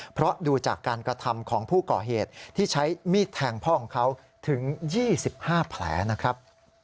เพราะดูจากการกระทำของผู้ก่อเหตุที่ใช้มีดแทงพ่อของเขาถึง๒๕แผลนะครับ